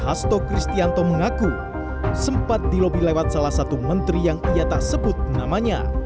hasto kristianto mengaku sempat dilobi lewat salah satu menteri yang ia tak sebut namanya